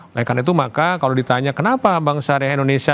oleh karena itu maka kalau ditanya kenapa bank syariah indonesia